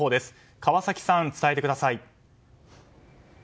川崎さん、伝えてください。